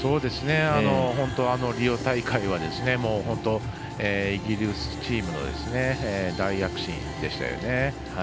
本当にリオ大会はイギリスチームが大躍進でしたよね。